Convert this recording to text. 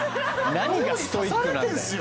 何がストイックなんだよ！